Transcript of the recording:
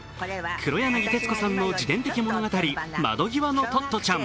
黒柳徹子さんの自伝的物語「窓際のトットちゃん」。